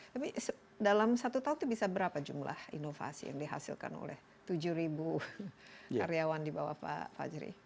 tapi dalam satu tahun itu bisa berapa jumlah inovasi yang dihasilkan oleh tujuh karyawan di bawah pak fajri